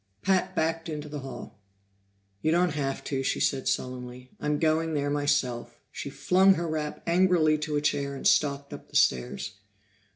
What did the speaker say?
Pat backed into the hall. "You don't have to," she said sullenly. "I'm going there myself." She flung her wrap angrily to a chair and stalked up the stairs.